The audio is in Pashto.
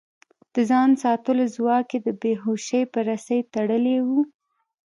د ځان ساتلو ځواک يې د بې هوشۍ په رسۍ تړلی و.